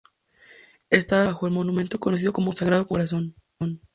Está situada bajo el monumento conocido como Sagrado Corazón.